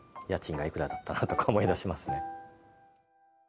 家賃がいくらだったなとか思い出しますね。